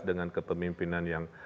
dengan kepemimpinan yang